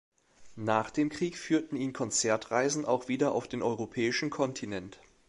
Nach dem Krieg führten ihn Konzertreisen auch wieder auf den europäischen Kontinent.